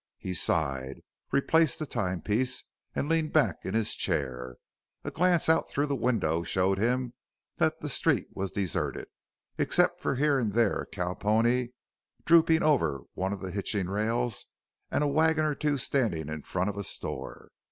He sighed, replaced the time piece, and leaned back in his chair. A glance out through the window showed him that the street was deserted except for here and there a cow pony drooping over one of the hitching rails and a wagon or two standing in front of a store.